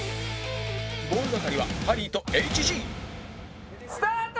ボール係はハリーと ＨＧスタート！